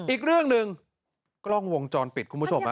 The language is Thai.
อีกเรื่องหนึ่งกล้องวงจรปิดคุณผู้ชม